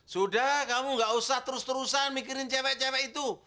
sudah kamu gak usah terus terusan mikirin cewek cewek itu